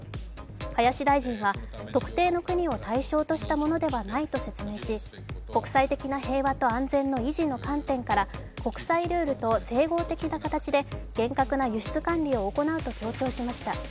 林大臣は特定の国を対象としたものではないと説明し、国際的な平和と安全の維持の観点から国際ルールと整合的な形で厳格な輸出管理を行うと強調しました。